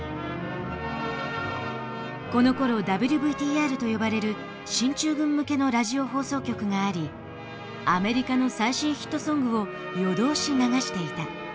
このころＷＶＴＲと呼ばれる進駐軍向けのラジオ放送局がありアメリカの最新ヒットソングを夜通し流していた。